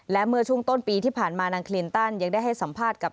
และเมื่อช่วงต้นปีที่ผ่านมานางคลินตันยังได้ให้สัมภาษณ์กับ